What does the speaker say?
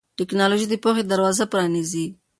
ټیکنالوژي د پوهې دروازې پرانیزي.